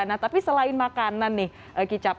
nah tapi selain makanan nih kicap